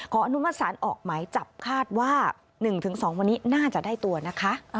อนุมัติศาลออกหมายจับคาดว่า๑๒วันนี้น่าจะได้ตัวนะคะ